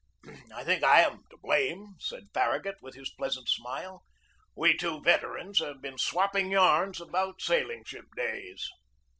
"I think I am to blame," said Farragut, with his pleasant smile. "We two veterans have been swapping yarns about sailing ship days."